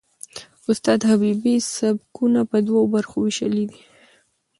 استاد حبیبي سبکونه په دوو برخو وېشلي دي.